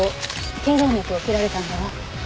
頸動脈を切られたんだわ。